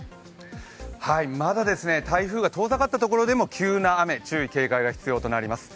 まだ台風が遠ざかったところでも急な雨、注意・警戒が必要になります。